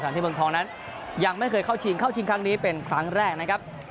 ที่เมืองทองนั้นยังไม่เคยเข้าชิงเข้าชิงครั้งนี้เป็นครั้งแรกนะครับ